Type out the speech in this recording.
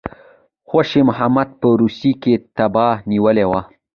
خوشي محمد په روسیې کې تبه نیولی وو.